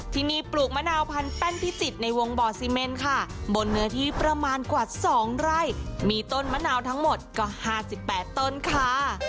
ที่นี่ปลูกมะนาวพันแป้นพิจิตรในวงบ่อซีเมนค่ะบนเนื้อที่ประมาณกว่า๒ไร่มีต้นมะนาวทั้งหมดก็๕๘ต้นค่ะ